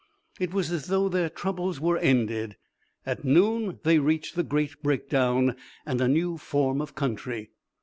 It was as though their troubles were ended. At noon they reached the great break down and a new form of country.